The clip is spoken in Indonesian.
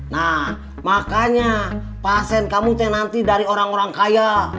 nah makanya pasien kamu teh nanti dari orang orang kaya